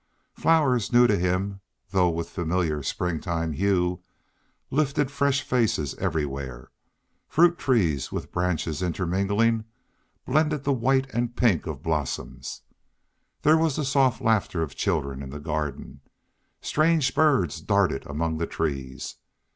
Flowers new to him, though of familiar springtime hue, lifted fresh faces everywhere; fruit trees, with branches intermingling, blended the white and pink of blossoms. There was the soft laughter of children in the garden. Strange birds darted among the trees.